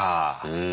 うん。